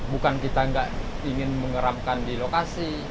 bukan kita nggak ingin mengeramkan di lokasi